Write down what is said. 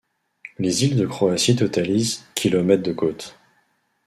Les îles de Croatie totalisent km de côte.